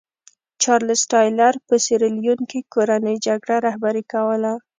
چارلېز ټایلر په سیریلیون کې کورنۍ جګړه رهبري کوله.